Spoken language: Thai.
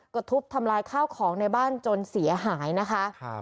ก็ทุบทำลายข้าวของในบ้านจนเสียหายนะคะ